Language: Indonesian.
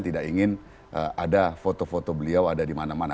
tidak ingin ada foto foto beliau ada di mana mana